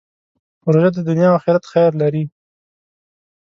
روژه د دنیا او آخرت خیر لري.